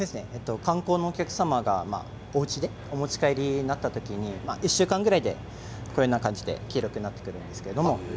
観光のお客様がおうちへお持ち帰りになった時に１週間ぐらいで黄色くなってくるんですけれども。